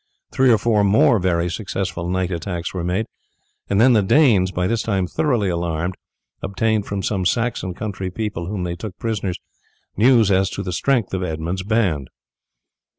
Three or four more very successful night attacks were made, and then the Danes, by this time thoroughly alarmed, obtained from some Saxon country people whom they took prisoners news as to the strength of Edmund's band.